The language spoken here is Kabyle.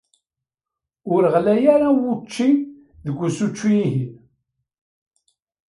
Ur ɣlay ara wučči deg usečču-ihin.